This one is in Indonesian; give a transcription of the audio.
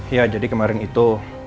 ya jadi kemarin itu